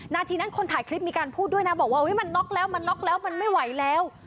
นาทีนั้นคนถ่ายคลิปมีการพูดด้วยนะบอกว่ามันน็อกแล้วมันน็อกแล้วมันไม่ไหวแล้ว